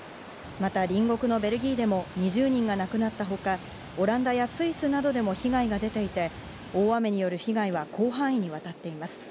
また隣国のベルギーでも２０人が亡くなったほか、オランダやスイスなどでも被害が出ていて、大雨による被害は広範囲にわたっています。